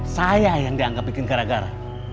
saya yang dianggap bikin gara gara